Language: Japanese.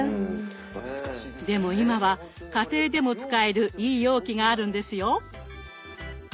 でも今は家庭でも使えるいい容器があるんですよ。